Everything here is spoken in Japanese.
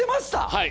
はい。